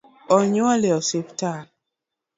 Onyuol e osiptal